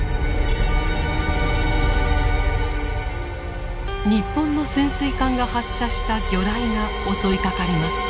日本の潜水艦が発射した魚雷が襲いかかります。